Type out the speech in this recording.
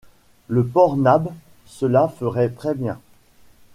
Le « port Nab », cela ferait très-bien!